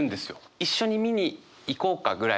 「一緒に見に行こうか？」ぐらいの感じで。